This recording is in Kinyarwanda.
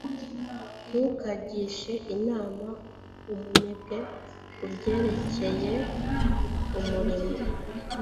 ntukagishe inama umunebwe ku byerekeye umurimo